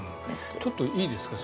ちょっといいですか。